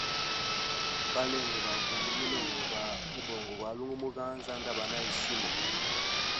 Balenge ba guno munonga gwa mubongo gwa alunga muganza nda ba na heshima.